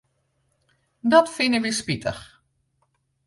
Dat fine wy spitich.